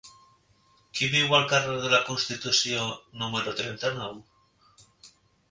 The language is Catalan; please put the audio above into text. Qui viu al carrer de la Constitució número trenta-nou?